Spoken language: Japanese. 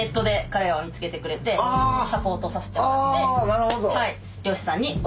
なるほど！